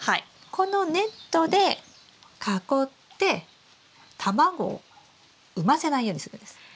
このネットで囲って卵を産ませないようにするんです。